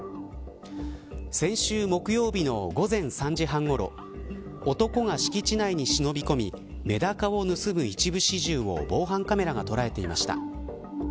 先週木曜日の午前３時半ごろ男が敷地内に忍び込みメダカを盗む一部始終を防犯カメラが捉えていました。